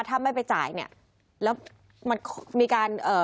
ถ้าไม่ไปจ่ายเนี้ยแล้วมันมีการเอ่อ